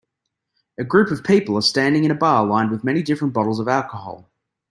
A group of people are standing in a bar lined with many different bottles of alcohol.